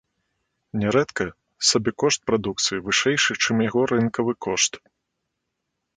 Нярэдка сабекошт прадукцыі вышэйшы, чым яго рынкавы кошт.